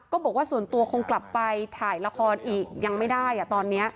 ก็บอกว่าส่วนตัวคงกลับไปถ่ายละครอีกยังไม่ได้ตอนนี้